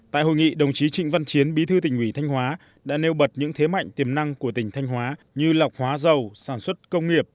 tại hội nghị đồng chí trịnh văn chiến bí thư tỉnh ủy thanh hóa đã nêu bật những thế mạnh tiềm năng của tỉnh thanh hóa như lọc hóa dầu sản xuất công nghiệp